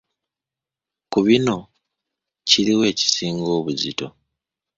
Ku bino kiri wa ekisinga obuzito?